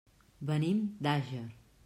Venim d'Àger.